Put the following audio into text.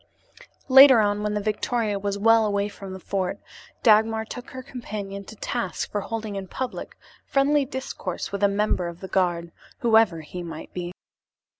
Later on, when the victoria was well away from the fort, Dagmar took her companion to task for holding in public friendly discourse with a member of the guard, whoever he might be.